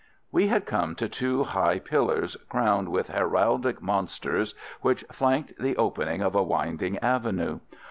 We had come to two high pillars crowned with heraldic monsters which flanked the opening of a winding avenue.